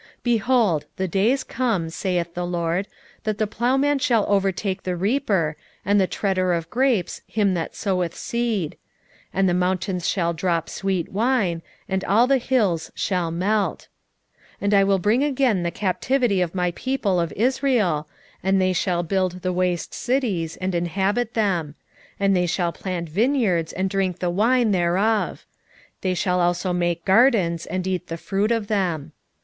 9:13 Behold, the days come, saith the LORD, that the plowman shall overtake the reaper, and the treader of grapes him that soweth seed; and the mountains shall drop sweet wine, and all the hills shall melt. 9:14 And I will bring again the captivity of my people of Israel, and they shall build the waste cities, and inhabit them; and they shall plant vineyards, and drink the wine thereof; they shall also make gardens, and eat the fruit of them.